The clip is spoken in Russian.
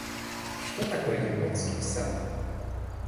что такое японский сад,